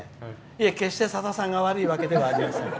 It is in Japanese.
いえ、決してさださんが悪いわけではありません。